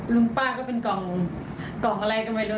ลุงป้าก็เป็นกล่องอะไรกันไปเลย